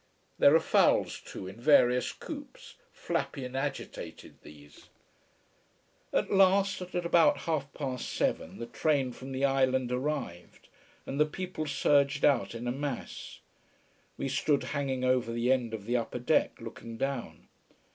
There are fowls too in various coops flappy and agitated these. At last, at about half past seven the train from the island arrived, and the people surged out in a mass. We stood hanging over the end of the upper deck, looking down.